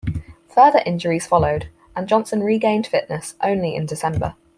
Further injuries followed, and Johnson regained fitness only in December.